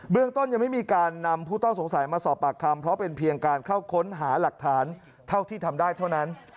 เรื่องต้นยังไม่มีการนำผู้ต้องสงสัยมาสอบปากคำเพราะเป็นเพียงการเข้าค้นหาหลักฐานเท่าที่ทำได้เท่านั้น